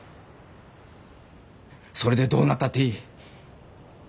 それでどうなったっていい。